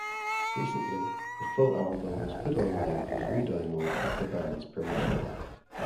Recently, the full album was put online for free download with the band's permission.